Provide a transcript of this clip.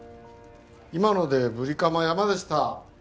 今のでブリカマヤマでした。